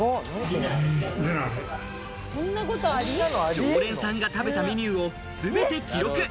常連さんが食べたメニューをすべて記録。